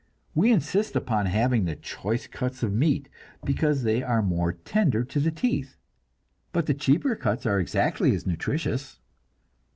We insist upon having the choice cuts of meats, because they are more tender to the teeth, but the cheaper cuts are exactly as nutritious.